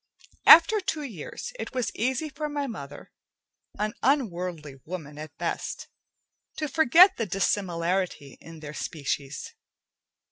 After two years, it was easy for my mother, an unworldly woman at best, to forget the dissimilarity in their species.